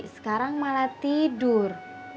sekarang malah tidur